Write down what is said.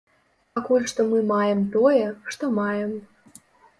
Пакуль што мы маем тое, што маем.